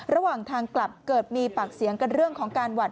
ระหว่างทางกลับเกิดมีปากเสียงกันเรื่องของการหวัด